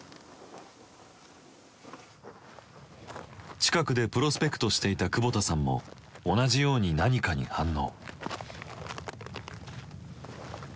近くでプロスペクトしていた久保田さんも同じように何かに反応。